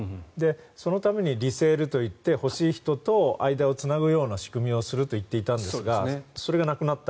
そのためにリセールといって欲しい人と間をつなぐ仕組みと言っていたんですがそれがなくなった。